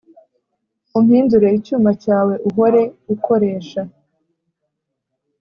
Umpindure icyuma cyawe uhore ukoresha